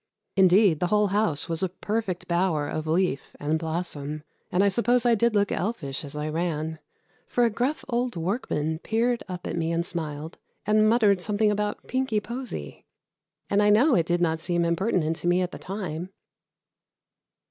Indeed, the whole house was a perfect bower of leaf and blossom, and I suppose I did look elfish as I ran, for a gruff old workman peered up at me and smiled, and muttered something about "pinky posy" and I know it did not seem impertinent to me at the time.